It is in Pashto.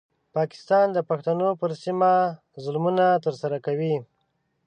پاکستان د پښتنو پر سیمه ظلمونه ترسره کوي.